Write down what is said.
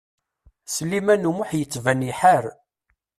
Sliman U Muḥ yettban iḥar.